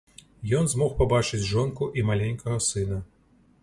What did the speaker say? Ён змог пабачыць жонку і маленькага сына.